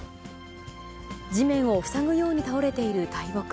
地面を塞ぐように倒れている大木。